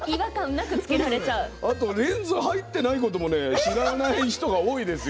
レンズが入っていないことも知らない人が多いですよ。